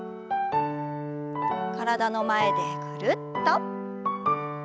体の前でぐるっと。